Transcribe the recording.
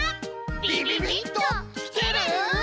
ビビビッときてる？